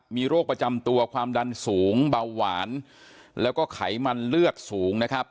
มีโรคประจำตัวความดันสูงเบาหวานแล้วก็ไขมันเลือดสูงนะครับ